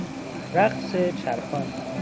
رقص چرخان